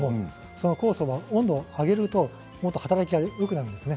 酵素は温度を上げると働きがよくなるんです。